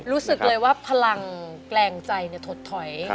รู้สึกเลยว่าพลังแกลงใจถดถอย